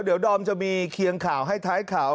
เดี๋ยวดอมจะมีเคียงข่าวให้ท้ายข่าว